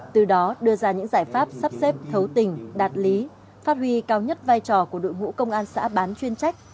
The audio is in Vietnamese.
từ đó đưa ra những giải pháp sắp xếp thấu tình đạt lý phát huy cao nhất vai trò của đội ngũ công an xã bán chuyên trách